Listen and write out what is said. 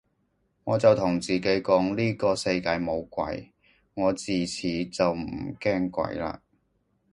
我就同自己講呢個世界冇鬼，我自此就唔驚鬼嘞